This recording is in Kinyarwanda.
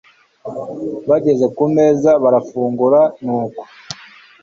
bageze kumeza barafungura nuko